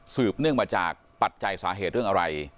เนื่องมาจากปัจจัยสาเหตุเรื่องอะไร